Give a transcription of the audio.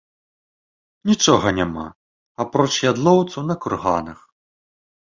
Нічога няма, апроч ядлоўцу на курганах.